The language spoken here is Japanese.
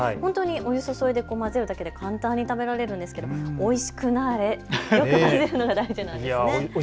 お湯を注いで混ぜるだけで簡単に食べられるんですけどおいしくなれと混ぜるのが大事なんですね。